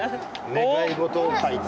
願い事を書いて。